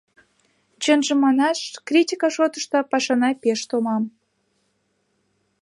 Чынжым манаш, критика шотышто пашана пеш томам.